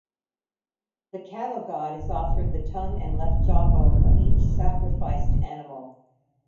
The cattle god is offered the tongue and left jawbone of each sacrificed animal.